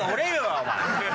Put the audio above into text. お前。